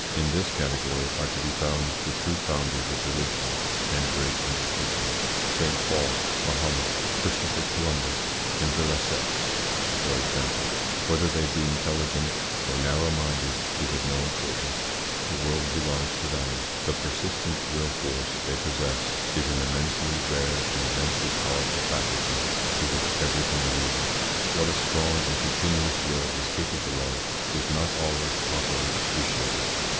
In this category are to be found the true founders of religions and great undertakings: St. Paul, Mahomet, Christopher Columbus, and de Lesseps, for example. Whether they be intelligent or narrow minded is of no importance: the world belongs to them. The persistent will force they possess is an immensely rare and immensely powerful faculty to which everything yields. What a strong and continuous will is capable of is not always properly appreciated.